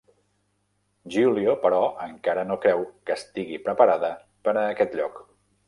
Giulio, però, encara no creu que estigui preparada per a aquest lloc.